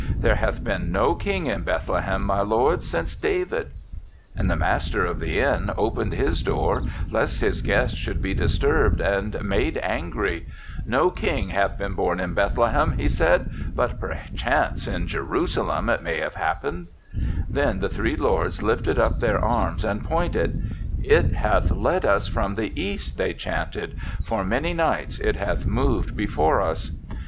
* There hath been no king in Bethlehem, my lords, since David/ " And the master of the inn opened his door, lest his guests should be disturbed and made angry, * No king hath been born in Bethlehem,' he said, *but, perchance, in Jerusalem it may have happened/ "Then the three lords lifted up their arms and pointed. * It hath led us from the East,' they chanted; ' for many nights it hath moved be fore us.'